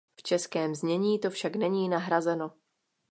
V českém znění to však není nahrazeno.